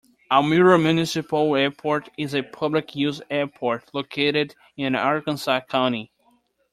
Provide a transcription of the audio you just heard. Almyra Municipal Airport is a public-use airport located in Arkansas County.